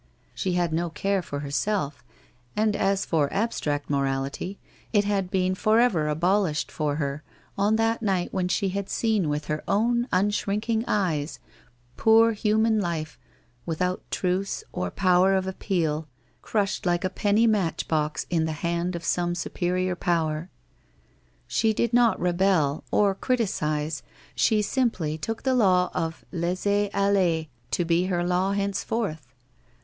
She had no care for herself, and as for abstract morality, it had been forever abolished for her on that night when she had seen with her own unshrinking eyes, poor human life, without truce or power of appeal, crushed like a penny matchbox in the hand of some Superior Power. She did not rebel, or criticize, she simply took the law of laisser aller to be her law henceforth.